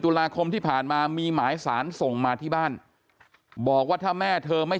ตุลาคมที่ผ่านมามีหมายสารส่งมาที่บ้านบอกว่าถ้าแม่เธอไม่